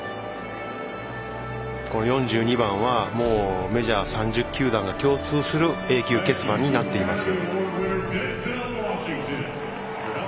この４２番はメジャー３０球団が共通する永久欠番になっています。